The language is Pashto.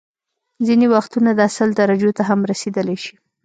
ځینې وختونه دا سل درجو ته هم رسيدلی شي